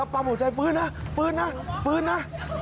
ป้ำหัวใจฟื้นนะฟื้นนะ